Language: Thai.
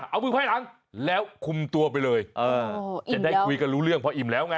เอามือไพ่หลังแล้วคุมตัวไปเลยจะได้คุยกันรู้เรื่องพออิ่มแล้วไง